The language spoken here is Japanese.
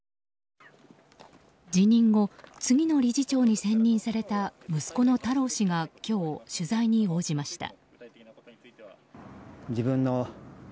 辞任後、次の理事長に選任された息子の多朗氏が今日、取材に応じました。